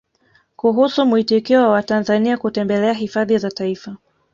Kuhusu muitikio wa Watanzania kutembelea Hifadhi za Taifa